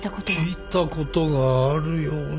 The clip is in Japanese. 聞いたことがあるような。